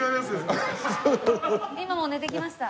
今も寝てきました。